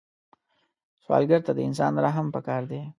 سوالګر ته د انسان رحم پکار دی